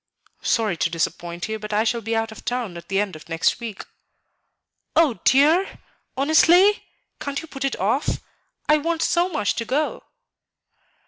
"Sorry to disappoint you, but I shall be out of town at the end of next week." "Oh, dear? Honestly? Can't you put it off? I want so much to go."